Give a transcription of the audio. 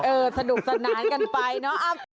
สนุกสนานกันไปเนอะ